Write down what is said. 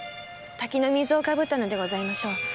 滝の水をかぶったのでございましょう。